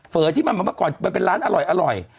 ที่เมื่อก่อนมันเป็นร้านอร่อย